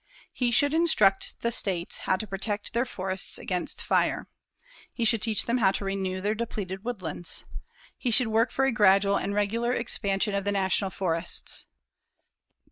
He should instruct the states how to protect their forests against fire. He should teach them how to renew their depleted woodlands. He should work for a gradual and regular expansion of the National Forests.